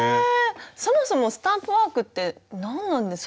そもそもスタンプワークって何なんですか？